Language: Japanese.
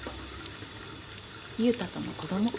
悠太との子供。